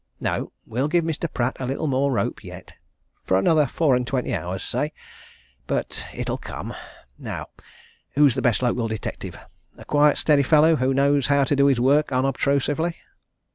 No we'll give Mr. Pratt a little more rope yet for another four and twenty hours, say. But it'll come! Now, who is the best local detective a quiet, steady fellow who knows how to do his work unobtrusively?"